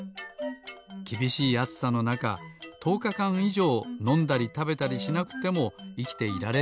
きびしいあつさのなかとおかかんいじょうのんだりたべたりしなくてもいきていられるんですって。